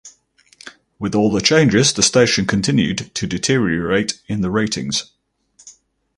With all the changes, the station continued to deteriorate in the ratings.